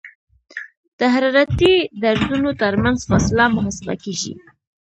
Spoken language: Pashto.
د حرارتي درزونو ترمنځ فاصله محاسبه کیږي